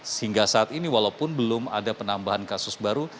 sehingga saat ini walaupun belum ada penambahan kasus baru